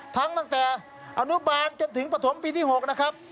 ตั้งแต่อนุบาลจนถึงปฐมปีที่๖นะครับ